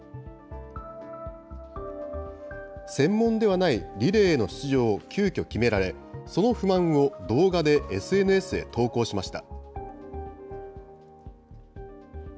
専門ではないリレーへの出場を急きょ決められ、その不満を動画でＳＮＳへ投稿しました。